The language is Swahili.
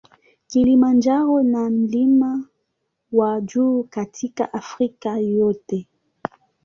Kilimanjaro na mlima wa juu katika Afrika yote.